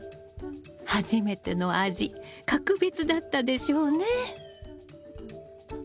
初めての味格別だったでしょうね。